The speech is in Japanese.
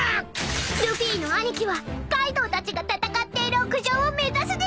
［ルフィの兄貴はカイドウたちが戦っている屋上を目指すでやんす］